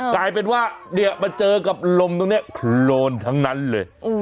กลายเป็นว่าเนี่ยมาเจอกับลมตรงนี้โครนทั้งนั้นเลย